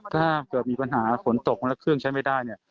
ถ้าเกิดมีปัญหาฝนตกแล้วเครื่องใช้ไม่ได้เนี่ย